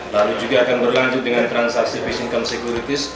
lalu juga akan berlanjut dengan transaksi face income securities